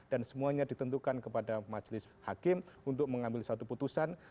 dan semuanya ditentukan kepada majelis hakim untuk mengambil satu putusan